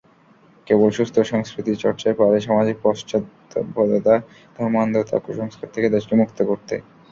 কেবল সুস্থ সংস্কৃতিচর্চাই পারে সামাজিক পশ্চাৎপদতা, ধর্মান্ধতা, কুসংস্কার থেকে দেশকে মুক্ত করতে।